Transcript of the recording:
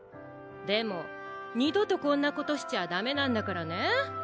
でもにどとこんなことしちゃダメなんだからね。